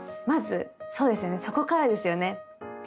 まずそうですよねそこからですよね！